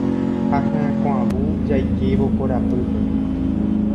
ha hyakuãvu jaikévo korapýpe